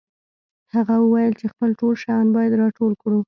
هغه وویل چې خپل ټول شیان باید راټول کړو